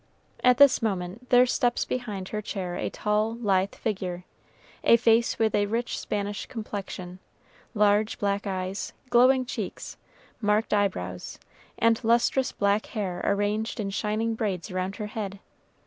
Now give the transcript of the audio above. At this moment there steps behind her chair a tall, lithe figure, a face with a rich Spanish complexion, large black eyes, glowing cheeks, marked eyebrows, and lustrous black hair arranged in shining braids around her head.